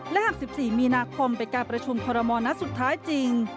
และหาก๑๔มีไปการประชุมครมสุดท้ายจริง